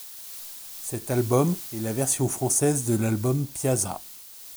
Cet album est la version française de l'album Piazza.